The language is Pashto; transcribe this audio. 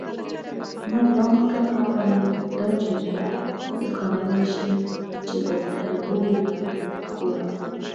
نه ځان کم راولي، دا چېرته زغملی شي چې د تربور په کور.